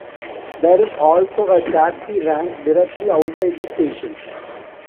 There is also a Taxi rank directly outside the station.